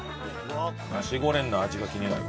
ナシゴレンの味が気になる。